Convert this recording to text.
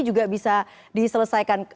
juga bisa diselesaikan